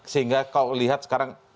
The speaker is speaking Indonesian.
sehingga kau lihat sekarang